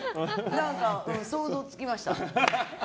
何か想像つきました。